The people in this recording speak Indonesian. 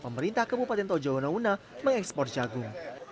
pemerintah ke bupati toja unauna mengekspor jagung